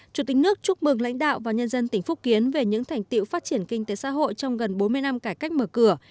chủ tịch nước chúc mừng lãnh đạo và nhân dân tỉnh phúc kiến về những thành tiệu phát triển kinh tế xã hội trong gần bốn mươi năm cải cách mở cửa